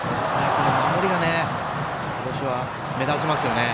守りが今年は目立ちますよね。